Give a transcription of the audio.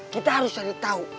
kita harus cari tau